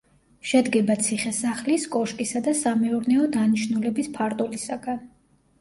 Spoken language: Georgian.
შედგება ციხე-სახლის, კოშკისა და სამეურნეო დანიშნულების ფარდულისაგან.